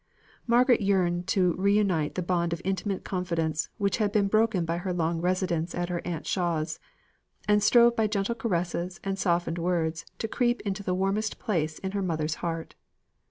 Margaret yearned to re unite the bond of intimate confidence which had been broken by her long residence at her aunt Shaw's, and strove by gentle caresses and softened words to creep into the warmest place in her mother's heart.